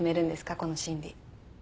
この審理。